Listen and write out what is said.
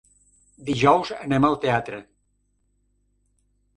Dijous anem al teatre.